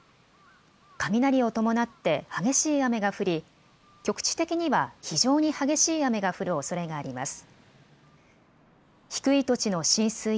雷を伴って激しい雨が降り局地的には非常に激しい雨が降るおそれがあります。